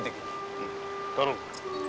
うん頼む。